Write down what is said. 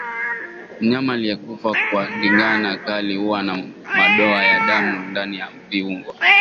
Mnyama aliyekufa kwa ndigana kali huwa na madoa ya damu ndani ya viungo